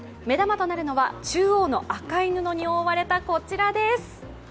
目玉となるのは中央の赤い布に覆われたこちらです。